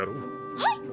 はい！